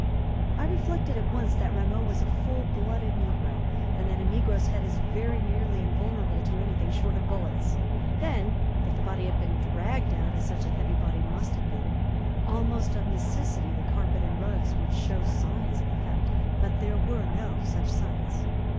I reflected at once that Rameau was a full blooded negro, and that a negro's head is very nearly invulnerable to anything short of bullets. Then, if the body had been dragged out as such a heavy body must have been almost of necessity the carpet and rugs would show signs of the fact, but there were no such signs.